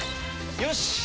よし！